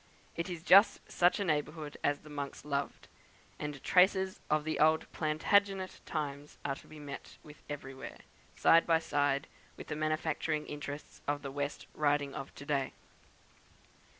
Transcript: It is just such a neighbourhood as the monks loved, and traces of the old Plantagenet times are to be met with everywhere, side by side with the manufacturing interests of the West Riding of to day.